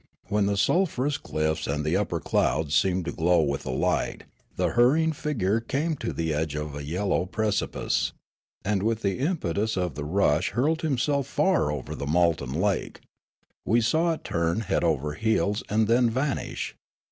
When the sulphurous clifi"s and the upper clouds seemed to glow with the light, the hurrying figure came to the edge of a yellow precipice, and with the impetus of the rush hurled itself far over the molten lake ; we saw it turn head over heels and then vanish.